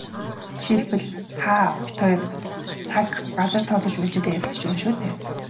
Жишээлбэл, та бид хоёр цаг, газар товлож байж л ярилцаж байна шүү дээ.